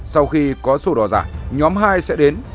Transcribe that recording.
sau khi có sổ đỏ giả nhóm hai sẽ đến